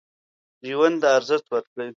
ژوند ته ارزښت ورکړئ.